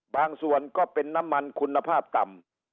ส่วนก็เป็นน้ำมันคุณภาพต่ำ